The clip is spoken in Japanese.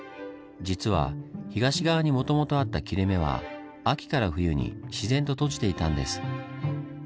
実は東側にもともとあった切れ目は秋から冬に自然と閉じていたんです。